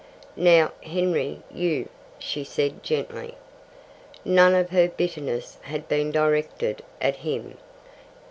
"Now, Henry, you," she said gently. None of her bitterness had been directed at him.